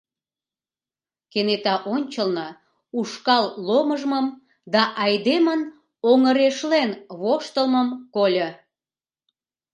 Кенета ончылно ушкал ломыжмым да айдемын оҥырешлен воштылмым кольо.